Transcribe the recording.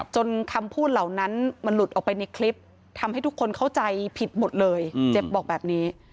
คำพูดเหล่านั้นมันหลุดออกไปในคลิปทำให้ทุกคนเข้าใจผิดหมดเลยเจ็บบอกแบบนี้